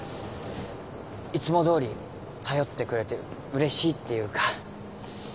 いつも通り頼ってくれてうれしいっていうか。